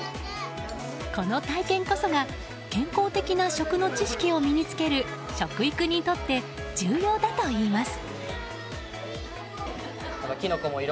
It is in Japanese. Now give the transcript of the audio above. この体験こそが健康的な食の知識を身に付ける食育にとって、重要だといいます。